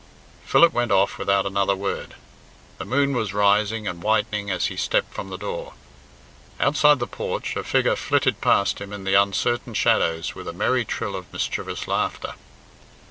Philip went off without another word. The moon was rising and whitening as he stepped from the door. Outside the porch a figure flitted past him in the uncertain shadows with a merry trill of mischievous laughter.